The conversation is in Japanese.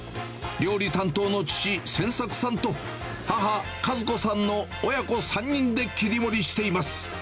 料理担当の父、仙作さんと、母、和子さんの親子３人で切り盛りしています。